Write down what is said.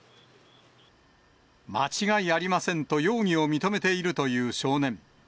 間違いありませんと容疑を認めているという少年。